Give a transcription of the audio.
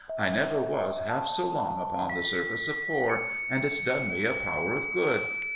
I never was half so long upon the surface afore, and it's done me a power of good.